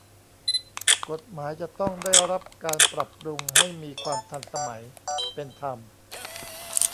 กฎหมายจะต้องได้รับการปรับปรุงให้มีความทันสมัย เป็นธรรม